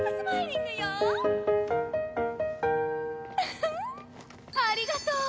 フフッありがとう。